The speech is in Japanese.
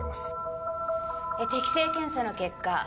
適性検査の結果